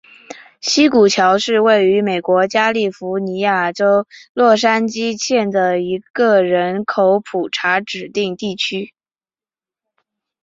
西谷桥是位于美国加利福尼亚州洛杉矶县的一个人口普查指定地区。